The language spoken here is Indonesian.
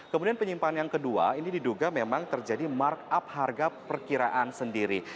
kemudian penyimpanan yang kedua ini diduga memang terjadi markup harga perkiraan sendiri